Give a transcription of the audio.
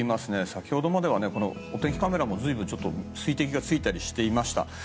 先ほどまではお天気カメラも随分、水滴がついたりしていました。